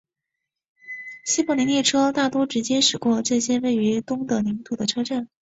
西柏林列车大多直接驶过这些位于东德领土的车站。